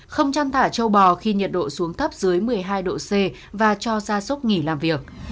không chăn thả châu bò khi nhiệt độ xuống thấp dưới một mươi hai độ c và cho ra súc nghỉ làm việc